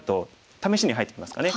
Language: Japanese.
試しに入ってみますかね。